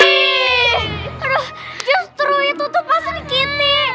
aduh justru itu tuh pasal gini